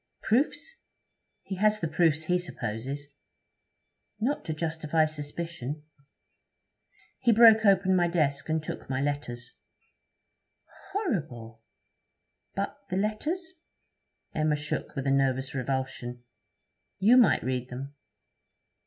'Proofs? He has the proofs he supposes.' 'Not to justify suspicion?' 'He broke open my desk and took my letters.' 'Horrible! But the letters?' Emma shook with a nervous revulsion. 'You might read them.'